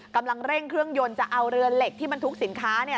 กำลังเร่งเครื่องยนต์จะเอาเรือเหล็กที่บรรทุกสินค้าเนี่ย